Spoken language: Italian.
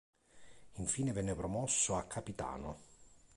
Infine venne promosso a capitano.